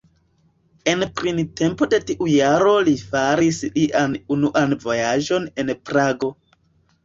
En printempo de tiu jaro li faris lian unuan vojaĝon en Prago.